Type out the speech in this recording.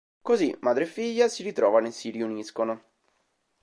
Così madre e figlia si ritrovano e si riuniscono.